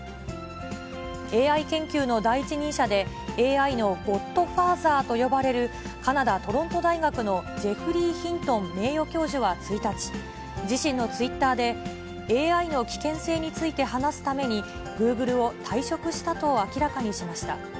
ＡＩ研究の第一人者で、ＡＩのゴッドファーザーと呼ばれる、カナダ・トロント大学のジェフリー・ヒントン名誉教授は１日、自身のツイッターで、ＡＩの危険性について話すために、グーグルを退職したと明らかにしました。